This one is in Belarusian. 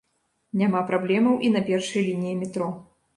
Няма праблемаў і на першай лініі метро.